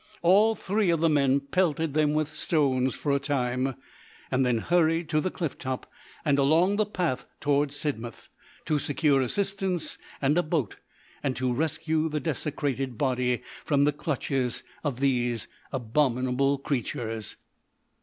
All three of the men pelted them with stones for a time, and then hurried to the cliff top and along the path towards Sidmouth, to secure assistance and a boat, and to rescue the desecrated body from the clutches of these abominable creatures.